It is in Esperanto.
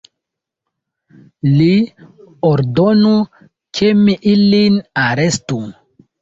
Li ordonu, ke mi ilin arestu!